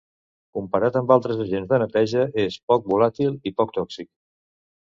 Comparat amb altres agents de neteja és poc volàtil i poc tòxic.